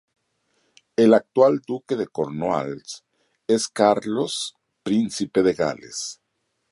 El actual Duque de Cornualles es Carlos, Príncipe de Gales.